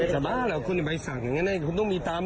ไม่สบายหรอกคุณในใบสั่งอย่างเงี้ยน่ะคุณต้องมีตาม